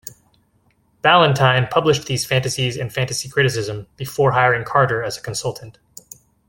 Ballantine published these fantasies and fantasy criticism before hiring Carter as consultant.